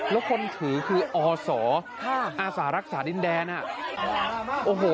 แล้วคนถือคืออศอาสารักษาดินแดนอ่ะโอ้โห